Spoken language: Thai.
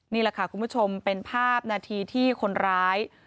นี่แหละค่ะคุณผู้ชมเป็นภาพนาทีที่คนร้าย